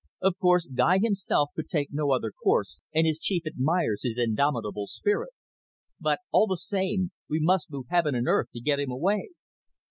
"Of course Guy himself could take no other course, and his chief admires his indomitable spirit. But, all the same, we must move heaven and earth to get him away."